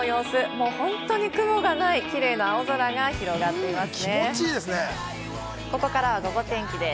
もう本当に雲がないキレイな青空が広がっていますね。